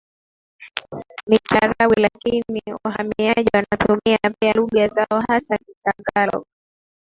ni Kiarabu lakini wahamiaji wanatumia pia lugha zao hasa Kitagalog